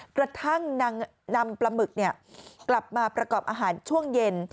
กระทั่งนางนำปลาหมึกกลับมาประกอบอาหารช่วงเย็น